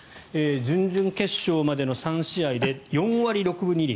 準々決勝までの３試合で４割６分２厘。